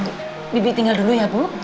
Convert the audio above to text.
lebih tinggal dulu ya bu